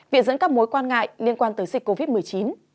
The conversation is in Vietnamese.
viện dẫn các mối quan ngại liên quan tới dịch covid một mươi chín